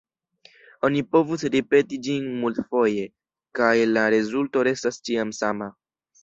Oni povus ripeti ĝin multfoje, kaj la rezulto restas ĉiam sama.